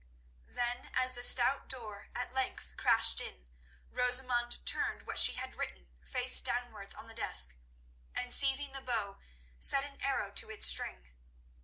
Then as the stout door at length crashed in Rosamund turned what she had written face downwards on the desk, and seizing the bow, set an arrow to its string.